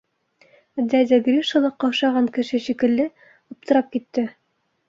Дядя Гриша ла ҡаушаған кеше шикелле аптырап китте.